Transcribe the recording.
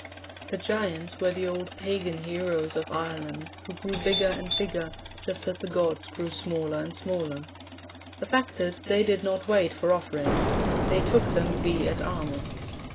"' The giants were the old pagan heroes of Ireland, who grew bigger and bigger, just as the gods grew smaller and smaller. The fact is they did not wait for offerings; they took them vi et armis.